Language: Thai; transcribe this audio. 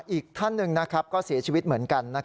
อีกท่านหนึ่งก็เสียชีวิตเหมือนกัน